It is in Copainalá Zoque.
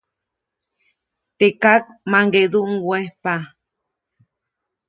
Teʼ kak maŋgeʼduʼuŋ wejpa.